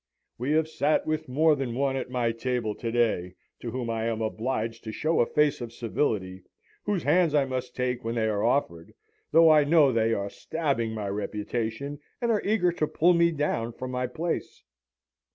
We have sat with more than one at my table to day, to whom I am obliged to show a face of civility, whose hands I must take when they are offered, though I know they are stabbing my reputation, and are eager to pull me down from my place.